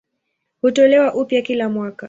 Hutolewa upya kila mwaka.